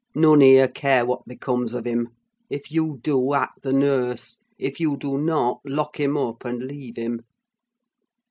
None here care what becomes of him; if you do, act the nurse; if you do not, lock him up and leave him.